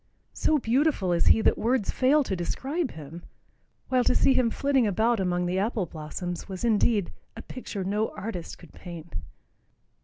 So beautiful is he that words fail to describe him, while to see him flitting about among the apple blossoms was indeed "a picture no artist could paint."